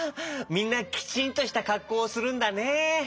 みんなきちんとしたかっこうをするんだね。